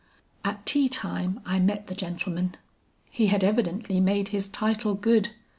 "At tea time I met the gentleman. He had evidently made his title good.